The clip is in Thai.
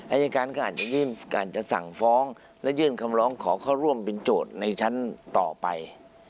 อายการก็อาจจะสั่งฟ้องและยื่นคำร้องขอเข้าร่วมเป็นโจทย์ในชั้นต่อไป